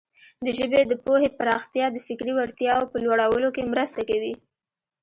د ژبې د پوهې پراختیا د فکري وړتیاوو په لوړولو کې مرسته کوي.